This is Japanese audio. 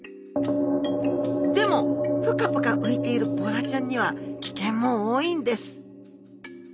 でもプカプカ浮いているボラちゃんには危険も多いんです